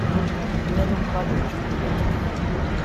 Il n'y a donc pas de Dju négatifs.